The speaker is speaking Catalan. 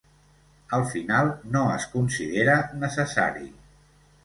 Al final, no es considera necessari.